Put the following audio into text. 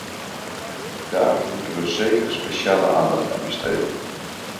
Daar moeten we zeker speciale aandacht aan besteden.